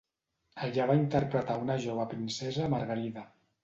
Allà va interpretar a una jove princesa Margarida.